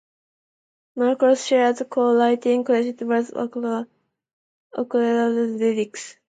Moakes shared co-writing credits with Okereke on some of the band's earlier lyrics.